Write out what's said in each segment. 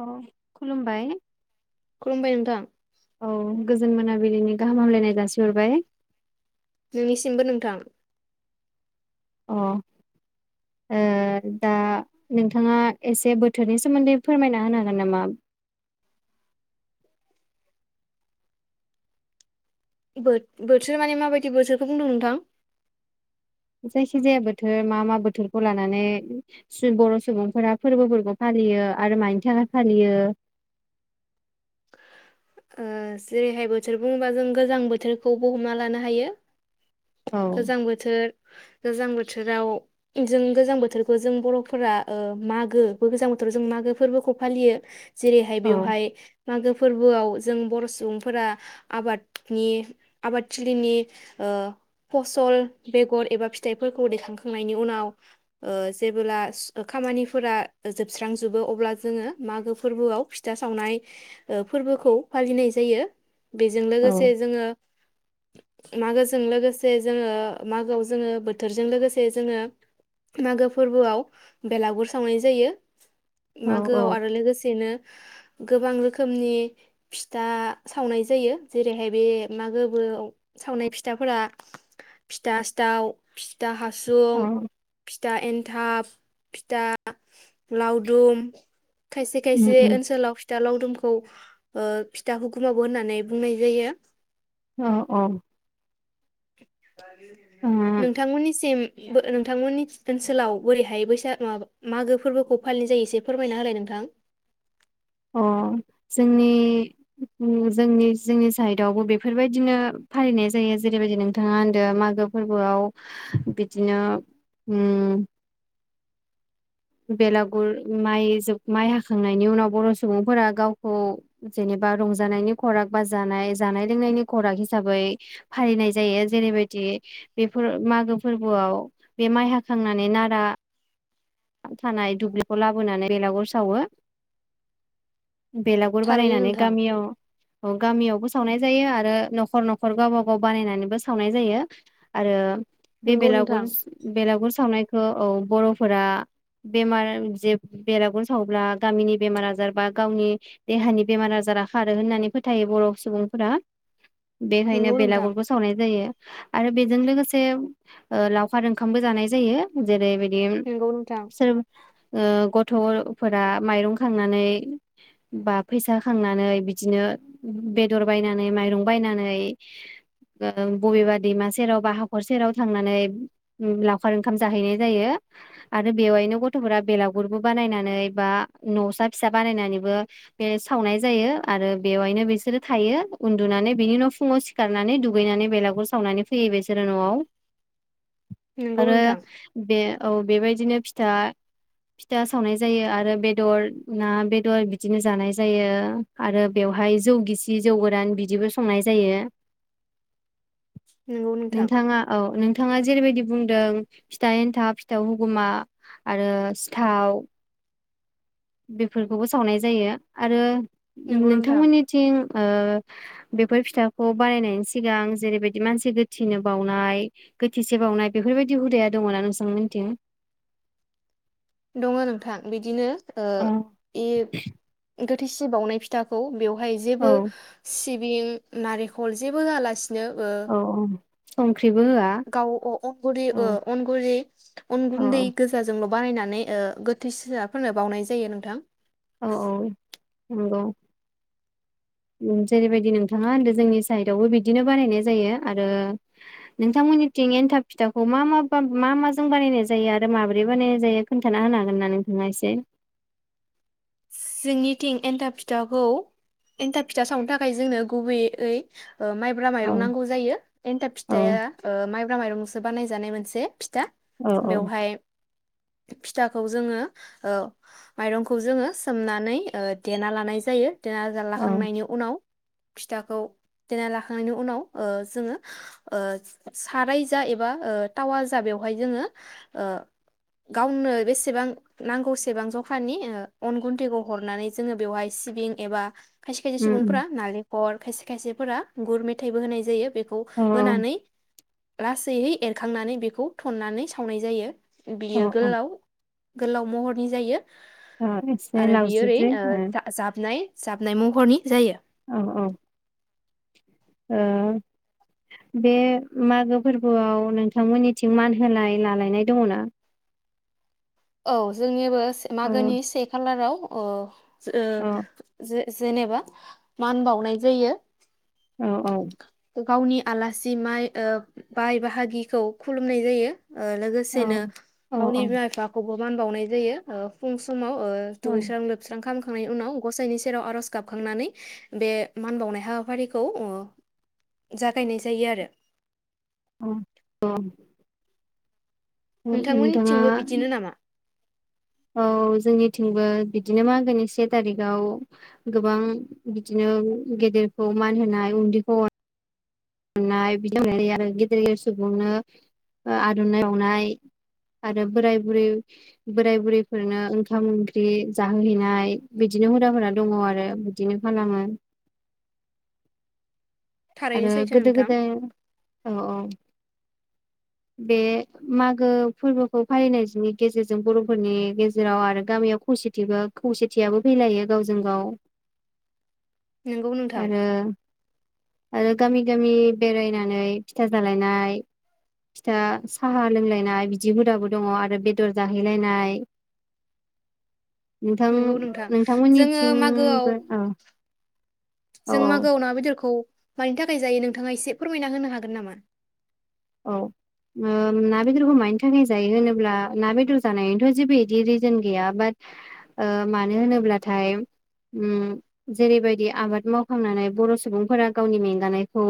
अ खुलुमबाय औ गोजोन मोनाबिलिनि गाहाम हामलायनाय जासिहरबाय। नोंनिसिमबो नोंथां। अ ओ दा नोंथाङा एसे बोथोरनि सोमोन्दै फोरमायना होनो हागोन नामा बोथ-बोथोर माने माबायदि बोथोरखौ बुंदों नोंथां? जायखि जाया बोथोर मा मा बोथोरखौ लानानै सु-बर' सुबुंफोरा फोरबोफोरखौ फालियो आरो मानि थाखाय फालियो। ओ जेरैहाय बोथोर बुङोबा जों गोजां बोथोरखौबो हमना लानो हायो। औ गोजां बोथोर गोजां बोथ बोथोराव जों गोजां बोथोरखौ जों बर'फोरा ओ मागो गोजां बोथोराव जों मागो फोरबोखौ फालियो। जेरैहाय औ बेवहाय मागो फोरबोआव जों बर' सुबुंफोरा आबादनि आबादथिलिनि ओ फसल बेगर एबा फिथाइफोरखौ दैखांखांनायनि उनाव ओ जेबोब्ला खामानिफोरा जोबस्रांजोबो अब्ला जोङो मागो फोरबोआव फिथा सावनाय ओ फोरबोखौ फालिनाय जायो। बेजों औ लोगोसे जोङो मागोजों लोगोसे जोङो मागोआव जोङो बोथोरजों लोगोसे जोङो मागो फोरबोआव बेलागुर सावनाय जायो। औ मागोआव औ आरो लोगोसेनो गोबां रोखोमनि फिथा सावनाय जायो जेरैहाय बे मागोबो सावनाय फिथाफोरा फिथा सिथाव फिथा हासुं औ फिथा ए थाब फिथा लावदुम खायसे उम खायसे उम ओनसोलाव फिथा लावदुमखौ ओ फिथा हुखुमाबो होननानै बुंनाय जायो। औ औ। ओ नोंथांमोनिसिम नोंथांमोननि ओनसोलाव बोरैहाय बैसाओ मागो फोरबोखौ फालिनाय जायो एसे फोरमायना होलाय नोंथां। अ जोंनि जोंनि जोंनि साइडआवबो बेफोरबायदिनो फालिनाय जायो जेरैबायदि नोंथाङा होनदो मागो फोरबोआव बिदिनो उ बेलागुर माइ जो माइ हाखांनायनि उनाव बर' सुबुंफोरा गावखौ जेनेबा रंजानायनि खराग बा जानाय जानाय लोंनायनि खराग हिसाबै फालिनाय जायो जेरैबायदि बेफोर मागो फोरबोआव बे माइ हाखांनानै नारा थानाय दुब्लिखौ लाबोनानै बेलागुर सावो। बेलागुर थारैनो बानायनानै नोंथां गामियाव औ गामियावबो सावनाय जायो आरो न'खर न'खर गावबा गाव बानायनानैबो सावनाय जायो आरो बे नंगौ नोंथां बेलागुर स बेलागुर सावनाय ओ औ बर'फोरा बेमार जे बेरागुर साव्ला गामिनि बेमार आजार बा गावनि देहानि बेमार आजारा खारो होननानै फोथायो बर' सुबुंफोरा। बेखायनो नंगौ नोंथां बेलागुरबो सावनाय जायो। आरो बेजों लोगोसे ओ लावखार ओंखामबो जानाय जायो जेरै [unintelligible] [unintelligible] थ फोरा माइरं खांनानै बा फैसा खांनानै बिदिनो बेदर बायनानै माइरं बायनानै ओ बबेबा दैमा सेराव बा हाखर सेराव थांनानै लावखार ओंखाम जाहैनाय जायो। आरो बेवहायनो गथ'फोरा बेलागुरबो बानायनानै बा न'सा फिसा बानायनानैबो बे सावनाय जायो आरो बेवहायनो बिसोरो थायो उन्दुनानै बिनि न' फुङाव सिखारनानै दुगैनानै बेलागुर सावनानै फैयो बेसोरो न'आव। नंगौ आरो नोंथां बे औ बेबायदि बिदिनो फिथा फिथा सावनाय जायो, आरो बेदर ना बेदर बिदिनो जानाय जायो आरो बेवहाय जौ गिसि जौ गोरान बिदिबो संनाय जायो। नंगौ नोंथां नोंथाङा औ नों- नोंथाङा जेरैबायदि बुंदों फिथा एन्था फिथा गुमा आरो सिथाव बेफोरखौबो सावनाय जायो आरो। नंगौ नोंथां नोंथांमोननिथिं, ओ बेफोर फिथाखौ बानायनायनि सिगां जेरैबायदि मानसि गोथैनो बावनाय गोथैसि बावनाय बेफोरबायदि हुदाया दङ ना नोंसांमोनथिं? दङ नोंथां बिदिनो ओ औ इब गोथ फिसि बावनाय फिथाखौ बेयाव बहाय जेबो औ सि सिबिं नारेखल जेबो होलासिन औ औ उम संख्रिबो होआ गाव अ अ गुरि ओ अनगुरि अन औ गुन्दै गोजाजोंल बानायनानै ओ गोथै सियाफोरनो बावनाय जायो नोंथां। औ औ। नंगौ। जेरैबायदि नोंथाङा होनदो जोंनि साइदावबो बिदिनो बानायनाय जायो। आरो नोंथांमोननिथिं एन्थाब फिथाखौ मा मा बा मा माजों बानायनाय जायो, आरो माबोरै बानायनाय जायो खोन्थाना होनो हागोन ना नोंथाङा एसे। जोंनिथिं एन्था फिथाखौ एन्था फिथा सावनो थाखाय जोंनो गुबै ऐ माइब्रा औ माइरं नांगौ जायो एन्थाब औ फिथाया माइब्रा माइरं। बानायजानाय मोनसे फिथ दा औ बेवहाय फिथाखौ जोङो ओ माइरंखौ जोङो सोमनानै ओ देना लानाय जायो। देना जाल्ला औ लाखांनायनि उनाव। फिथाखौ देना लाखांनायनि उनाव ओ जोङो ओ साराय जा एबा ओ टावा जा बेवहाय जोङो, ओ गावनो बेसेबां नांगौसेबां जखानि ओ अन गुन्थैखौ हरनानै जोङो बेवहाय सिबिं एबा खायसे खायसे सुबुंफोरा नालेंखर खायसे खायसेफोरा गुर मेथाइबो होनाय जायो। बेखौ औ होनानै लासैहै एरखांनानै बेखौ थन्नानै सावनाय जायो। औ बियो औ गोलाव गोलाव महरनि जायो। ओ मिथिनाय आरो बियो ओरै ओ लावज्रिथद्राय जा जाबनाय जाबनाय महरनि। जायो ओ बे मागो फोरबोआव नोंथांमोननिथिं मान होलाय लालायनाय दङ ना औ जोंनियाबो से औ मागोनि से खालाराव अ औ ओं जे जेनेबा मान बावनाय जायो। औ औ गावनि आलासि माइ बाय बाहागिखौ खुलुमनाय जायो। ओ लोगोसेनो औ गावनि बिमा बिफा मान बावनाय जायो ओ फुं समाव। ओ औ दुैस्रां लोबस्रां खालाम खांनायनि उनाव गसाइनि सेराव आर'ज गाबखांनानै बे मान बावनाय हाबाफारिखौ जागायनाय जायो आरो औ औ। नोंथांमोननिथिंबो बिदिनो नामा? औ जोंनिथिंबो बिदिनो मागोनि से थारिखाव गोबां बिदिनो गेदेरखौ मान होनाय उन्दैखौ अना अनाय बिदि आरो गेदेर गेदेर सुबुंनो आर'नाय बावनाय आरो बोराय बुरै बोराय बुरैफोरनो ओंखाम ओंख्रि जाहोहैनाय बिदिनो हुदाफोरा दङ आरो बिदिनो खालामो। आरो थारैनो सैथो गोदो नोंथां गोदाय औ औ बे मागो फोरबोखौ फालिनायनि गेजेरजों बर'फोरनि गेजेराव आरो गामियाव खौसेथिबो खौसेथियाबो फैलायो गावजों गाव। नंगौ नोंथां। आरो आरो गामि गामि बेरायनानै फिथा जालायनाय फिथा साहा लोंलायनाय बिदि हुदाबो दङ आरो बेदर जाहैलायनाय। नोंथां नोंगौ नोंथां जोङो मागोआव नोंथांमोननिथिंबो औ औ जों औ। मागोआव ना बेदरखौ मानि थाखाय जायो नोंथाङा एसे फोरमायना होनो हागोन नामा? औ ना, बेदरखौ मानि थाखाय जायो होनोब्ला ना, बेदर जानायनिथ' जेबो बिदि रिजोन गैया बाट मानो होनोब्लाथाय जेरैबायदि आबाद मावखांनानै बर' सुबुंफोरा गावनि मेंगानायखौ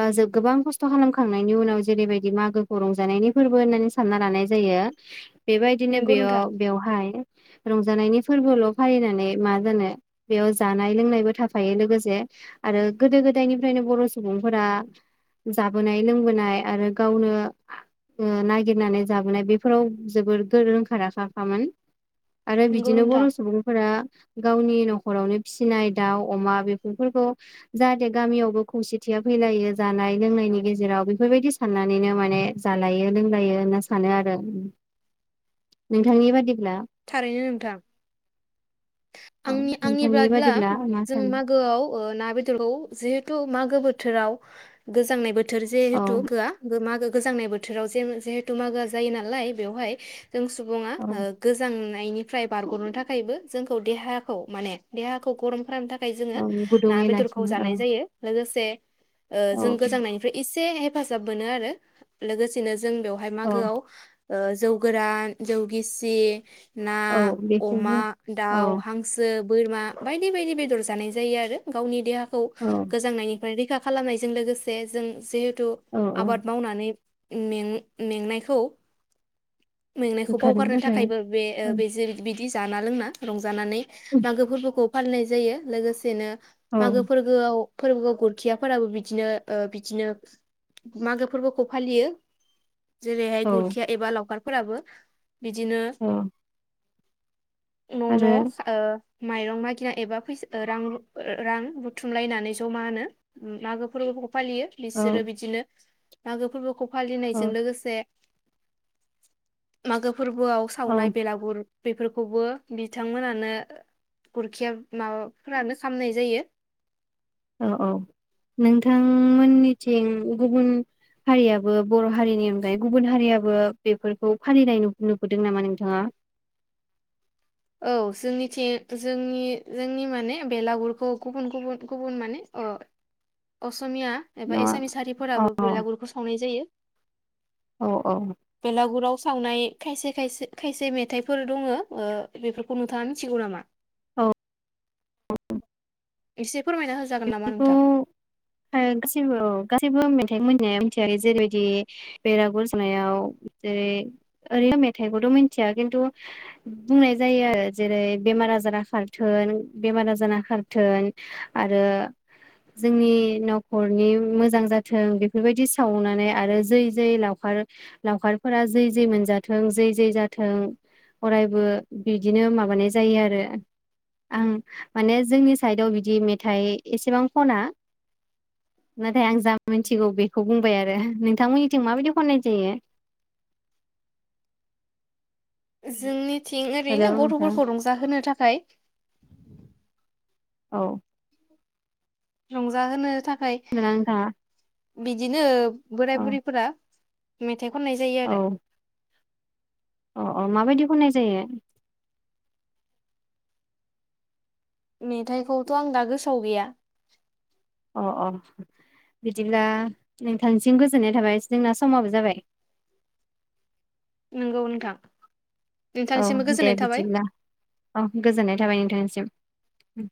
बा गोबां खस्थ' खालामखांनायनि उनाव जेरैबायदि मागोखौ रंजानायनि फोरबो होननानै सानना लानाय जायो। बेबायदिनो नोंगौ नोंथां बेयाव बेवहाय रंजानायनि फोरबोल' फालिनानै मा जानो बेयाव जानाय लोंनायबो थाफायो लोगोसे आरो गोदो गोदायनिफ्रायनो बर' सुबुंफोरा जाबोनाय लोंबोनाय आरो गावनो ओ नागिरनानै जाबोनाय बेफोराव जोबोर रोंखा राखाखामोन। आरो नोंगौ बिदिनो बर' नोंथां सुबुंफोरा गावनि न'खरावनो फिसिनाय दाउ, अमा बेफोरखौ जाहाथे गामियावबो खौसेथिया फैलायो जानाय लोंनायनि गेजेराव बेफोर बायदि साननानैनो माने जालायो लोंलायो होनना सानो आरो नोंथांनि बादिब्ला थारैनो नोंथां। औ आंनि आंनि नोंथांनि बायदिब्ला बादिब्ला मा जों सानो मागोआव ना, बेदरखौ जिहेथु मागो बोथोराव गोजांनाय बो थोर औ जेहेतु [unintelligible] गोजांनाय बोथोराव जे जिहेथु मागोआ जायो नालाय बेवहाय जों सुबुङा ओ औ गोजांनाय गोजांनायनिफ्राय बारग'नो थाखायबो जोंखौ देहाखौ माने देहाखौ गरम खालामनो थाखाय थाखाय जोङो औ ना गुदुङै बेदरखौ लाखिनो औ जानाय जायो लोगोसे [inaudible] ओ औ जों गोजांनायनिफ्राय एसे हेफाजाब मोनो आरो लोगोसेनो जों बेवहाय औ मागोआव ओ जौ गोरान जौ गिसि ना औ अमा बेखौनो औ दाउ हांसो ओ बोरमा बायदि बायदि बेदर जानाय जायो आरो गावनि देहा खौ औ गोजांनायनि फ्राय रैखा खालामनायजों लोगोसे जों जिहे थु औ औ आबाद मावनानै में मेंनायखौ मेंनायखौ बोखारनो बावगारनो थाखाय थाखायबो बे ओ बे जे बि बि जाना लोंना रंजा जानानै मागो फोरबोखौ फालिनाय जायो लोगोसेनो औ मागो फोरगोआव फोरबोखौ गुरखियाफोराबो बिदिनो ओ बिदिनो मागो फोरबोखौ फालियो। जेरैहाय गुरखिया एबा लावखार फोराबो बिदिनो औ न न आरो ओ माइरं मागिना एबा फैसा रां रां बुथुमलायनानै जमानो होम मागो फोरबो फालियो औ बिसोरो बिदिनो मागो फोरबोखौ औ फालिनायजों लोगोसे मागो फोरबोआव औ सावनाय बेलागुर बेफोरखौबो बिथांमोनानो गुरखिया माबाफोरानो खामनाय जायो। औ औ नोंथांमोननिथिं गुबुन हारियाबो बर' हारिनि अनगायै गुबुन हारियाबो बेफोरखौ फालिनाय नुबोदों नामा नोंथाङा? औ जोंनिथि जोंनि जोंनि माने बेलागुरखौ गुबुन गुबुन गुबुन माने अ असमिया न एबा एसामिस अ हारिफोराबो बयलागुरखौ सावनाय जायो। औ औ। बेलागुराव सावनाय खायसे खायसे खायसे मेथाइफोर दङो ओ बेफोरखौ नोंथाङा मिथिगौ नामा? औ [unintelligible] एसे फोरमायना होजागोन नामा बेफोरखौ नोंथां? [unintelligible] गासैबो औ गासैबो मेथाइखौ मिथिनाया मिथिया ओ जेरैबायदि बेरागुर जुनायाव ओइ ओरैनो मेथाइखौथ मिथिया खिन्थु बुंनाय जायो आरो जेरै बेमार आजारा खारथों बेमार आजारा खारथों। आरो जोंनि नखरनि मोजां जाथों बेफोरबायदि सावनानै आरो जै जै लावखार लावखारफोरा जै जै मोनजाथों जै जै जाथों अरायबो बिदिनो माबानाय जायो आरो आं माने जोंनि साइडआव बिदि मेथाय एसेबां खना [unintelligible] आं जा मिन्थिगौ बेखौ बुं बाय आरो नोंथांमोननिथिं माबायदि खननाय जायो। जोंनि थिं हेलौ ओरैनो नोंथां गथफोरखौ रंजाहोनो थाखाय औ। रंजाहोनो थाखा [unintelligible] बिदिनो बोराय औ बुरिफोरा मे थाइ खननाय जायो औ आरो अ अ माबायदि खननाय जायो? मेथाइखौथ आं दा गोसोआव गैया अ अ बिदिब्ला नोंथांनिसिम गोजोननाय थाबाय जोंना समाबो जाबाय नोंगौ नोंथां। औ नोंथांनिसिमबो दे गोजोननाय थाबाय बिदिब्ला औ गोजोननाय दे थाबाय नोंथांनिसिम उम।